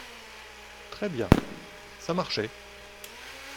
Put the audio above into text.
Très bien !… ça marchait…